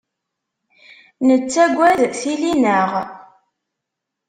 Nettaggad tili-nneɣ.